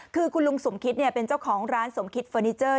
คือคุณลุงสมคิตเป็นเจ้าของร้านสมคิดเฟอร์นิเจอร์